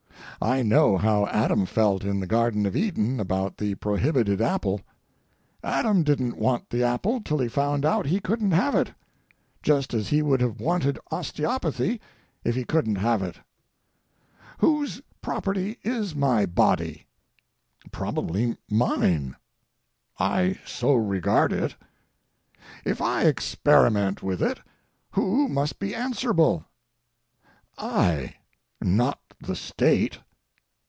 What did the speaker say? I know how Adam felt in the Garden of Eden about the prohibited apple. Adam didn't want the apple till he found out he couldn't have it, just as he would have wanted osteopathy if he couldn't have it. Whose property is my body? Probably mine. I so regard it. If I experiment with it, who must be answerable? I, not the State.